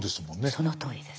そのとおりです。